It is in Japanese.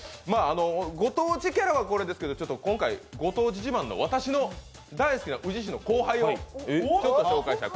ご当地キャラは、これですけれども今回ご当地自慢の私の大好きな宇治市の後輩を紹介したい。